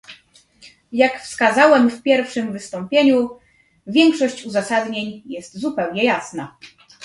Jak wskazałem w pierwszym wystąpieniu, większość uzasadnień jest zupełnie jasna